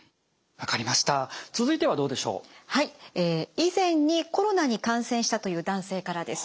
以前にコロナに感染したという男性からです。